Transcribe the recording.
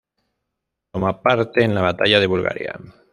Toma parte en la Batalla de Bulgaria.